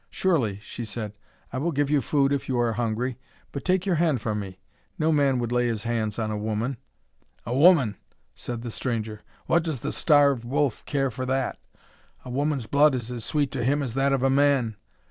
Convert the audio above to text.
"Surely," she said, "I will give you food if you are hungry. But take your hand from me. No man would lay his hands on a woman." "A woman!" said the stranger. "What does the starved wolf care for that? A woman's blood is as sweet to him as that of a man.